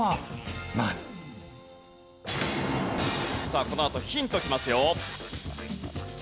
さあこのあとヒントきますよ。